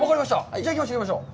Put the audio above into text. じゃあ、行きましょう、行きましょう。